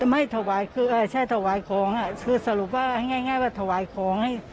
ไม่ถวายคือใช่ถวายของคือสรุปว่าง่ายว่าถวายของให้